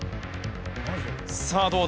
さあどうだ？